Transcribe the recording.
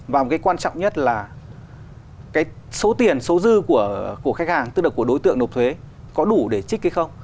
và một cái quan trọng nhất là cái số tiền số dư của khách hàng tức là của đối tượng nộp thuế có đủ để trích hay không